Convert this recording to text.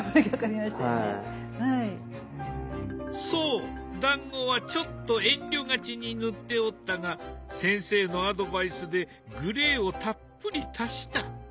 そうだんごはちょっと遠慮がちに塗っておったが先生のアドバイスでグレーをたっぷり足した。